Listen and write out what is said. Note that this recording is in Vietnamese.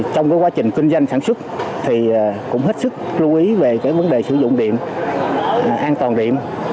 trong quá trình kinh doanh sản xuất thì cũng hết sức lưu ý về vấn đề sử dụng điện an toàn điện